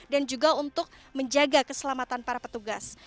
dan juga untuk menjaga keselamatan para petugas